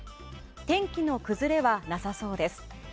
天気の崩れはなさそうです。